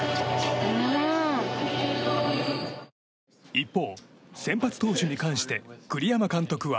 一方、先発投手に関して栗山監督は。